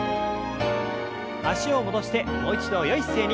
脚を戻してもう一度よい姿勢に。